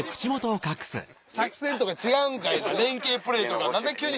作戦とか違うんかい連係プレーとか何で急に。